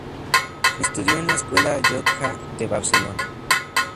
Estudió en la escuela Llotja de Barcelona.